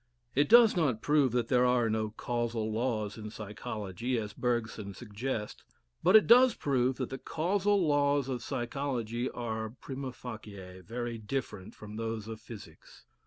It does not prove that there are no causal laws in psychology, as Bergson suggests; but it does prove that the causal laws of psychology are Prima facie very different from those of physics.